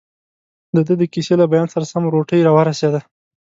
دده د کیسې له بیان سره سم، روټۍ راورسېده.